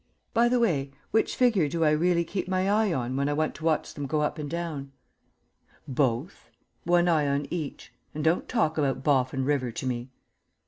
By the way, which figure do I really keep my eye on when I want to watch them go up and down?" "Both. One eye on each. And don't talk about Boffin River to me."